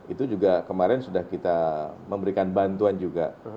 itu juga kemarin sudah kita memberikan bantuan juga